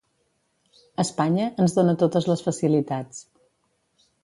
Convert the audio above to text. Espanya ens dona totes les facilitats.